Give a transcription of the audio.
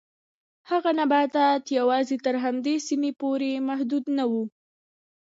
هغه نباتات یوازې تر همدې سیمې پورې محدود نه و.